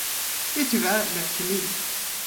Det är tyvärr leukemi.